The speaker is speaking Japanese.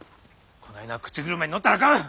こないな口車に乗ったらあかん。